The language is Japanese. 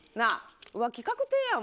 浮気確定やん。